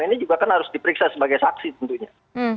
ini juga kan harus diperiksa sebagai saksi tentunya